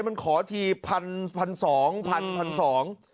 มันขอทีพันสอง